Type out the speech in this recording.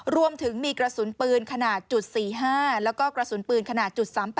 รวมถึงมีกระสุนปืนขนาด๔๕แล้วก็กระสุนปืนขนาด๓๘